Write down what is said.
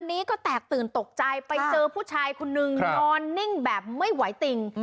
นี้ก็แตกตื่นตกใจไปเจอผู้ชายคนนึงนอนนิ่งแบบไม่ไหวติง